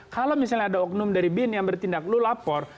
kalau misalnya ada oknum dari bin yang bertindak lu lapor